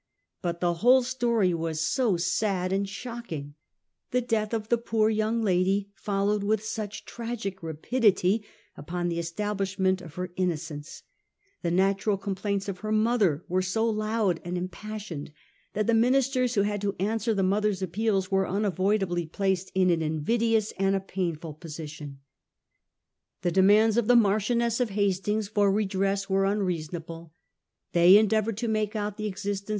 But the whole story was so sad and shocking ; the death of the poor young lady followed with such tragic rapidity upon the establishment of her innocence ; the natural complaints of her mother were so loud and impassioned, that the ministers who had to answer the mother's appeals were unavoidably placed in an invidious and a painful position. The demands of the Marchioness of Hastings for redress were unreasonable. They endeavoured to make out the existence.